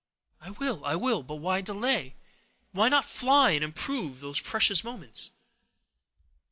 "I will—I will; but why delay? Why not fly, and improve these precious moments?"